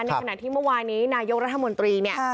ในขณะที่เมื่อวานนี้นายกรัฐมนตรีเนี่ย